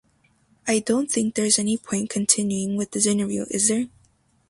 I don't think there is any point continuing with this interview, is there?